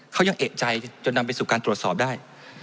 เขายังเอกใจจนนำไปสู่การตรวจสอบได้